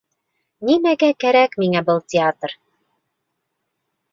Нимәгә кәрәк миңә был театр?